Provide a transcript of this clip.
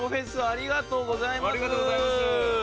ありがとうございます。